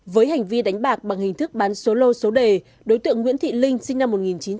với hành vi đánh bạc bằng hình thức bán số lô số đề đối tượng nguyễn thị linh sinh năm một nghìn chín trăm tám mươi